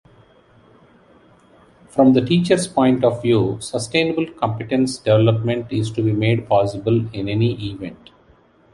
From the teacher's point of view, sustainable competence development is to be made possible in any event.